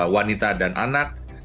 wanita dan anak